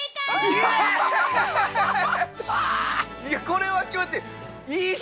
これは気持ちいい。